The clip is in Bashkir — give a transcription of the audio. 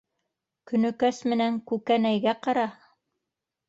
Көнөкәс менән Күкәнәйгә ҡара!